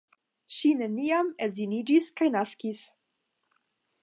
Ŝi neniam edziniĝis kaj naskis.